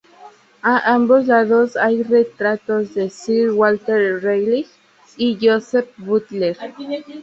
A ambos lados hay retratos de Sir Walter Raleigh y Joseph Butler.